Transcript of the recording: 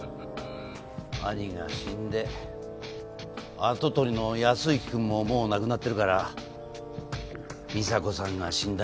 兄が死んで跡取りの靖之くんももう亡くなってるから美沙子さんが死んだ